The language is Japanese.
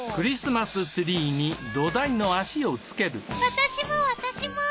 私も私も！